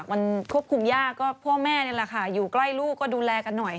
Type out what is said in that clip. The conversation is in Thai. มันควบคุมยากก็พ่อแม่นี่แหละค่ะอยู่ใกล้ลูกก็ดูแลกันหน่อย